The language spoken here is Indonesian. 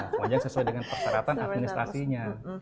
semuanya sesuai dengan persyaratan administrasinya